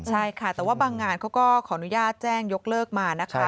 ใช่ค่ะแต่ว่าบางงานเขาก็ขออนุญาตแจ้งยกเลิกมานะคะ